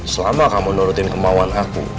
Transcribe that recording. selama kamu nurutin kemauan aku